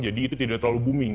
jadi itu tidak terlalu booming